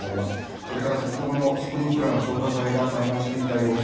それから先ほどのスプリンクラーの消火剤が散乱していた様子。